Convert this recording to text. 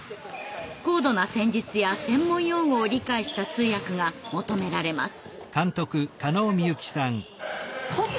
高度な戦術や専門用語を理解した通訳が求められます。